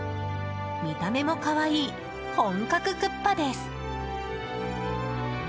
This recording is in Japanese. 見た目も可愛い本格クッパです。